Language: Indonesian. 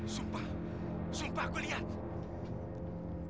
sumpah sumpah gue liat